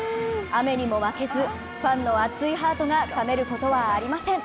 雨にも負けず、ファンの熱いハートが冷めることはありません。